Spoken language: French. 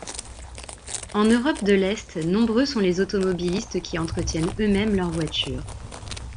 En Europe de l’Est, nombreux sont les automobilistes qui entretiennent eux-mêmes leur voiture.